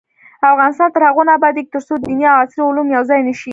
افغانستان تر هغو نه ابادیږي، ترڅو دیني او عصري علوم یو ځای نشي.